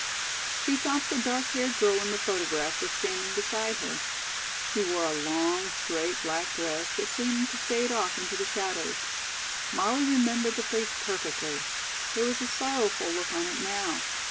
She thought the dark haired girl in the photograph was standing beside her. She wore a long, straight, black dress that seemed to fade off into the shadows. Molly remembered the face perfectly. There was a sorrowful look on it now.